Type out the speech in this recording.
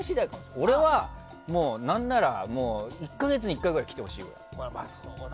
俺は何なら１か月に１回ぐらい来てほしい。